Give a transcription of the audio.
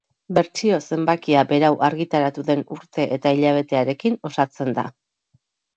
Bertsio zenbakia berau argitaratu den urte eta hilabetearekin osatzen da.